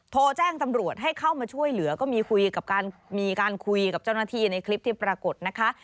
โทรแจ้งตำรวจให้เข้ามาช่วยเหลือก็มีคุยกับการมีการคุยกับเจ้าหน้าที่ในคลิปที่ปรากฏนะคะ